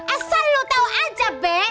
esal lu tau aja be